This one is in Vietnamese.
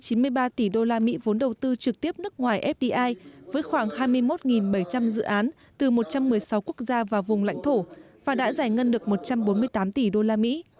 việt nam đã thu hút hơn hai mươi tám tỷ đô la mỹ vốn đầu tư trực tiếp nước ngoài fdi với khoảng hai mươi một bảy trăm linh dự án từ một trăm một mươi sáu quốc gia và vùng lãnh thổ và đã giải ngân được một trăm bốn mươi tám tỷ đô la mỹ